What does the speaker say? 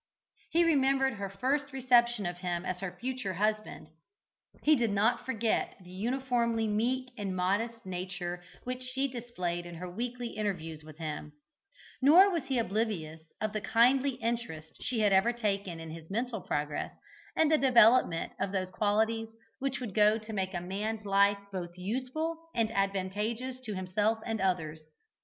He remembered her first reception of him as her future husband; he did not forget the uniformly meek and modest nature which she displayed in her weekly interviews with him; nor was he oblivious of the kindly interest she had ever taken in his mental progress and development of those qualities which go to make a man's life both useful and advantageous to himself and others.